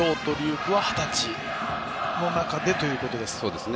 空は二十歳その中でというところです。